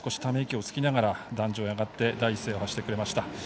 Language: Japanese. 少しため息をつきながら壇上に上がって第一声を発してくれました。